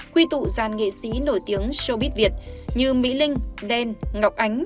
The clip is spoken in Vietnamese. quy tụ gian nghệ sĩ nổi tiếng showbiz việt như mỹ linh đen ngọc ánh